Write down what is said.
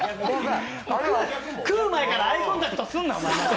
食う前からアイコンタクトすんな、お前。